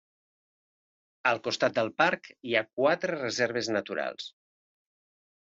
Al costat del parc hi ha quatre reserves naturals.